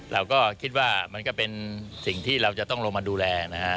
เราก็คิดว่ามันก็เป็นสิ่งที่เราจะต้องลงมาดูแลนะฮะ